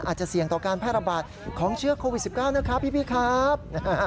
อาจจะเสี่ยงต่อการแพร่ระบาดของเชื้อโควิด๑๙นะครับพี่ครับ